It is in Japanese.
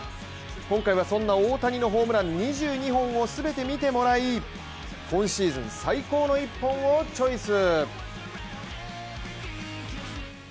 今回はそんな大谷のホームラン２２本を全て見てもらい今シーズン最高の１本をチョイス！